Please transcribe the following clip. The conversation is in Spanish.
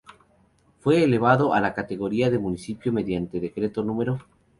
Fue elevado a la categoría de Municipio mediante Decreto No.